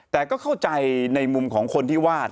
แต่ก็เข้าใจในมุมของคนที่วาด